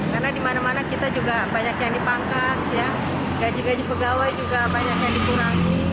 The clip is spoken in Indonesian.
karena dimana mana kita juga banyak yang dipangkas ya gaji gaji pegawai juga banyak yang dikurangi